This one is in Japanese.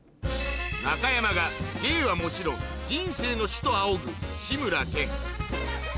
中山が芸はもちろん人生の師と仰ぐ志村けんイェイ！